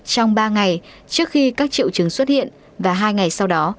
trong ba ngày trước khi các triệu chứng xuất hiện và hai ngày sau đó